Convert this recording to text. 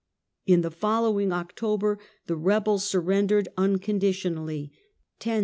hxug'ioid In the following October the rebels surrendered uncon ditionally.